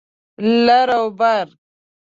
لر او بر